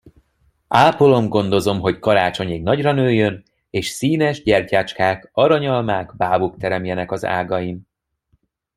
Ápolom, gondozom, hogy karácsonyig nagyra nőjön, és színes gyertyácskák, aranyalmák, bábuk teremjenek az ágain.